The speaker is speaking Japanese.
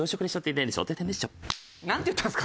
なんて言ったんですか？